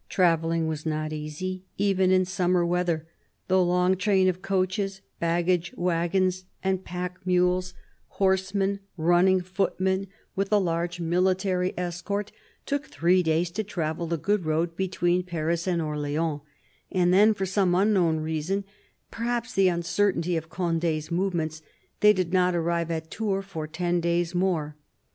Travelling was not easy even in summer weather. The long train of coaches, baggage waggons and pack mules, horsemen, 74 CARDINAL DE RICHELIEU running footmen, with the large military escort, took three days to travel the good road between Paris and Orleans, and then for some unknown reason, perhaps the uncertainty of Conde's movements, did not arrive at Tours for ten days more.